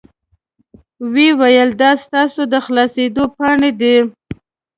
وې ویل دا ستاسو د خلاصیدو پاڼې دي.